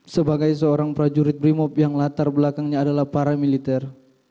sebagai seorang prajurit brimob yang latar belakangnya adalah para militer